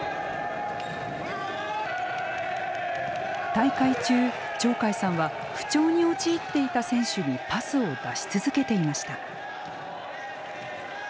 大会中鳥海さんは不調に陥っていた選手にパスを出し続けていました。